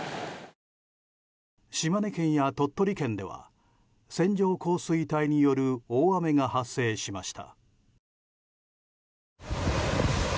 島根県や鳥取県では線状降水帯による大雨が発生しました。